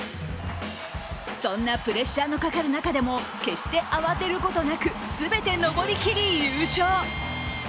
そんなプレッシャーのかかる中でも、決して慌てることなく全て登りきり優勝。